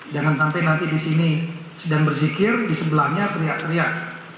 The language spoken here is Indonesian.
jangan sampai nanti di sini sedang berzikir di sebelahnya teriak teriak